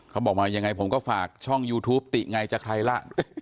เขาบอกว่ายังไงผมก็ฝากช่องยูทูปติไงจากใครล่ะ